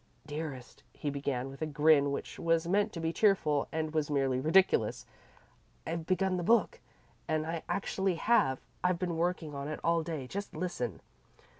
"Dearest," he began, with a grin which was meant to be cheerful and was merely ridiculous, "I've begun the book I actually have! I've been working on it all day. Just listen!"